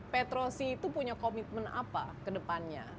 petrosi itu punya komitmen apa ke depannya